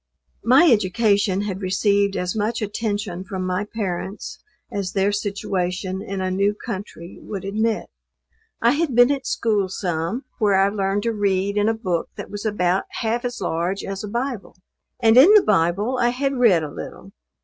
My education had received as much attention from my parents, as their situation in a new country would admit. I had been at school some, where I learned to read in a book that was about half as large as a Bible; and in the Bible I had read a little.